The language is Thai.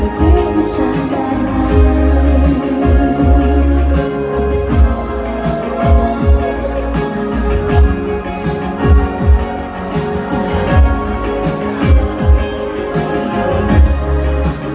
ยังไงยังไงตัวเธอลำบากใช่ไหมเอาไว้ดีเอาไว้ดีตัวเธอจะเข้าใจ